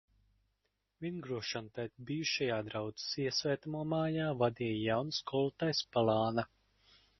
Vingrošanu tagad bijušajā draudzes iesvētāmo mājā, vadīja jauna skolotāja Spalāne.